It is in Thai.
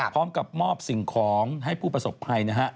พร้อมกับมอบสิ่งของให้ผู้ประสบภัยนะฮะ